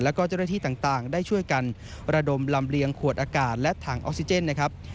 แล้วก็เจ้าหน้าที่ต่างได้ช่วยกันระดมลำเลียงขวดอากาศและถังออกซิเจนนะครับ